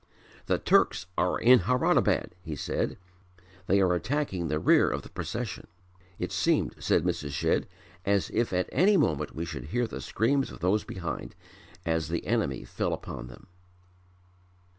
"The Turks are in Hadarabad," he said. "They are attacking the rear of the procession." "It seemed," said Mrs. Shedd, "as if at any moment we should hear the screams of those behind, as the enemy fell upon them."